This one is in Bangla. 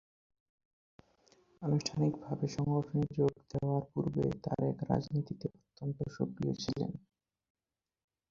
আনুষ্ঠানিক ভাবে সংগঠনে যোগ দেয়ার পূর্বেই তারেক রাজনীতিতে অত্যন্ত সক্রিয় ছিলেন।